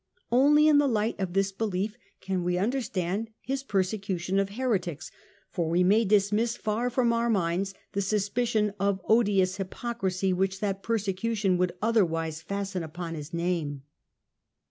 Only in the light of this belief can we under stand his persecution of heretics, for we may dismiss far from our minds the suspicion of odious hypocrisy which that persecution would otherwise fasten upon his name.